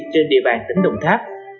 trên địa bàn tỉnh đồng tháp